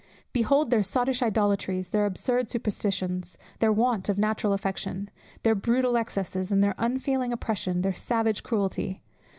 Behold their sottish idolatries, their absurd superstitions, their want of natural affection, their brutal excesses, their unfeeling oppression, their savage cruelty!